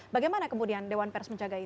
bagaimana kemudian dewan pers menjaga ini